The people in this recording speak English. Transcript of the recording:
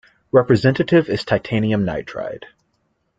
Representative is titanium nitride.